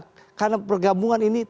ini karena persatuan nasional